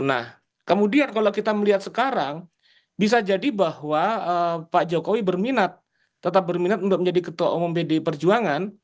nah kemudian kalau kita melihat sekarang bisa jadi bahwa pak jokowi berminat tetap berminat untuk menjadi ketua umum pdi perjuangan